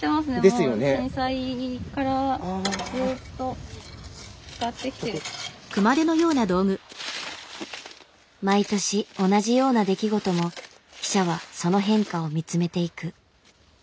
もしかしたら毎年同じような出来事も記者はその変化を見つめていく。